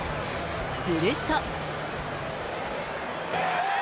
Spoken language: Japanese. すると。